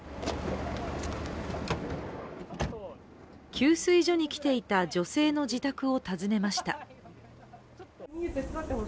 給水所に来ていた女性の自宅を訪ねました。